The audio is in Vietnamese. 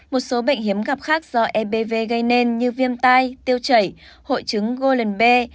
một số bệnh hiếm gặp khác do ebv gây nên như viêm tai tiêu chảy hội chứng golden b